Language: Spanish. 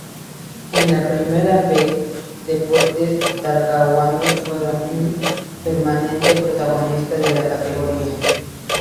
En la Primera B, Deportes Talcahuano fue un permanente protagonista de la categoría.